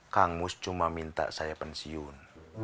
kang mus cuma minta saya pensiun